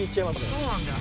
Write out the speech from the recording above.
そうなんだよ。